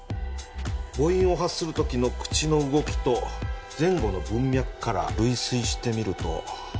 母音を発する時の口の動きと前後の文脈から類推してみると。